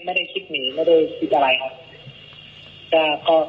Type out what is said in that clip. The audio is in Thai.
ไม่ได้คิดหนีไม่ได้คิดอะไรครับ